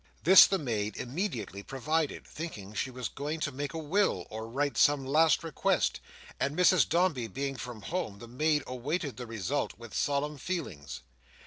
This the maid immediately provided, thinking she was going to make a will, or write some last request; and Mrs Dombey being from home, the maid awaited the result with solemn feelings.